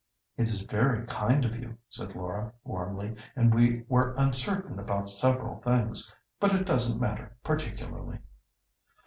"It is very kind of you," said Laura, warmly, "and we were uncertain about several things, but it doesn't matter particularly."